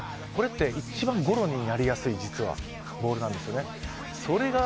これって一番ゴロになりやすい実はボールなんですよね。